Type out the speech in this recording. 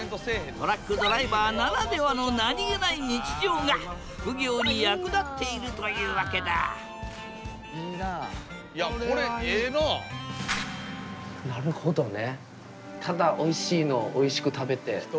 トラックドライバーならではの何気ない日常が副業に役立っているというわけだなるほどね。